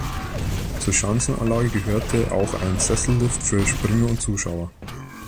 Zur Schanzenanlage gehörte auch ein Sessellift für Springer und Zuschauer.